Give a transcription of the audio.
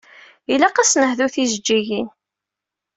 Ilaq ad s-nehdu tijeǧǧigin.